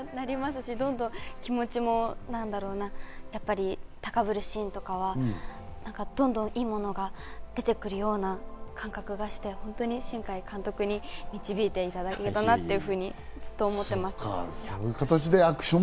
なりますし、どんどん気持ちも高ぶるシーンとかは、どんどんいいものが出てくるような感覚がして、新海監督に導いていただけたなというふうに思ってます。